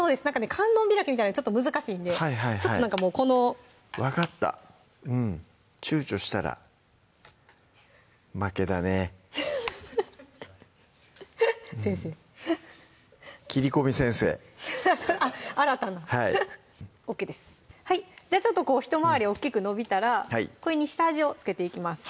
観音開きみたいなんはちょっと難しいんでもうこの分かったうんちゅうちょしたら負けだねフフフ先生切り込み先生あっ新たなＯＫですじゃあちょっとひと回り大っきく伸びたらこれに下味を付けていきます